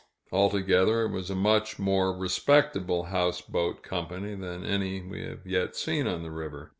Altogether it was a much more respectable houseboat company than any we have yet seen on the river.